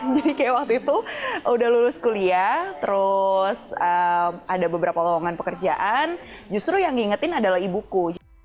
jadi kayak waktu itu udah lulus kuliah terus ada beberapa lowongan pekerjaan justru yang diingetin adalah ibuku